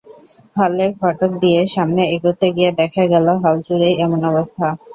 হলের ফটক দিয়ে সামনে এগোতে গিয়ে দেখা গেল, হলজুড়েই এমন অবস্থা।